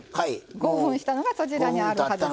５分したのがそちらにあるはずです。